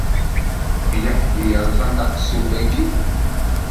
Yella ḥedd i yeṛẓan taqessult-aki.